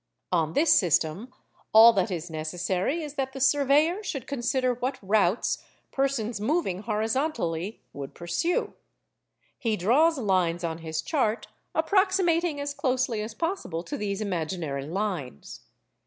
On this system all that is necessary is that the surveyor should consider what routes persons moving horizontally would pursue. He draws lines on his chart approximating as closely as possible to these imaginary lines.